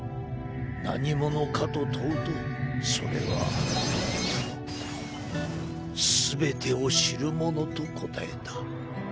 何者かと問うとそれは全てを知る者と答えた。